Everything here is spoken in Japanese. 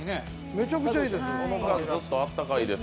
めちゃくちゃいいです！